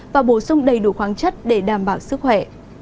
và bổ sung đầy đủ khoáng chất để đảm bảo sức khỏe